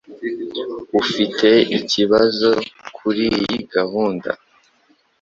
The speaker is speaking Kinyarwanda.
Ufite ikibazo kuriyi gahunda